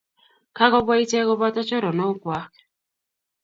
Kagobwa icheek koboto choronokwag.